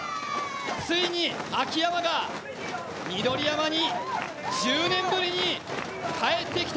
ついに秋山が緑山に１０年ぶりに帰ってきた。